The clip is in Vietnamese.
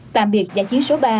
tạm biệt giải chiến số ba